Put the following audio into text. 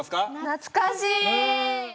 懐かしい！